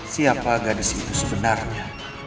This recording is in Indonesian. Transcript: siapa gadis itu sebenarnya